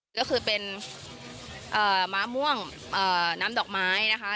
ก็คือเป็นมะม่วงน้ำดอกไม้นะคะ